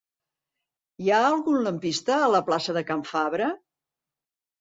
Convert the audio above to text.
Hi ha algun lampista a la plaça de Can Fabra?